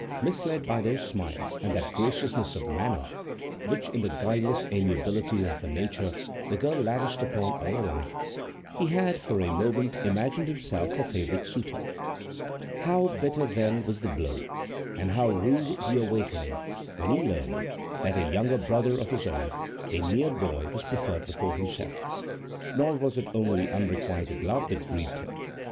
Misled by those smiles and that graciousness of manner which in the guileless amiability of her nature the girl lavished upon all alike, he had for a moment imagined himself her favoured suitor. How bitter, then, was the blow, and how rude the awakening when he learned that a younger brother of his own, a mere boy, was preferred before himself! Nor was it only unrequited love that grieved him.